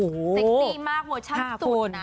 เซ็กซี่มากเวอร์ชันสุดนะ